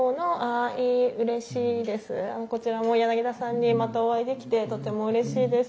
こちらも柳田さんにまたおあいできてとてもうれしいです。